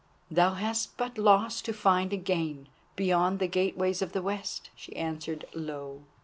"Thou hast but lost to find again beyond the Gateways of the West," she answered low.